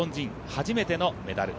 初めてのメダル。